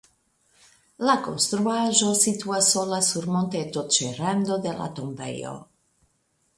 La konstruaĵo situas sola sur monteto ĉe rando de la tombejo.